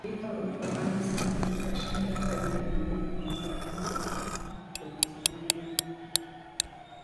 taifa la ufaransa likashinda taji la dunia kwa mara ya kwanza mwenye historia